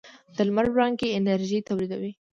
د لمر وړانګې انرژي تولیدوي.